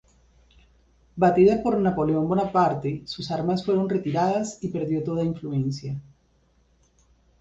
Batida por Napoleón Bonaparte, sus armas fueron retiradas y perdió toda influencia.